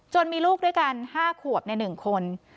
มีลูกด้วยกัน๕ขวบใน๑คน